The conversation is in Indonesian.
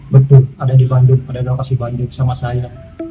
betul ada di bandung ada di lokasi bandung sama saya